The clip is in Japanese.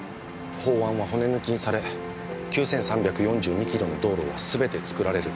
法案は骨抜きにされ９３４２キロの道路はすべて造られる。